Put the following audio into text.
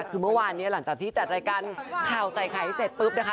คือเมื่อวานนี้หลังจากที่จัดรายการข่าวใส่ไข่เสร็จปุ๊บนะคะ